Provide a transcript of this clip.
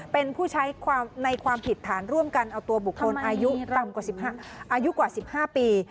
เป็นผู้ใช้ในความผิดฐานร่วมกันเอาตัวบุคคลอายุต่ำกว่าอายุกว่า๑๕ปี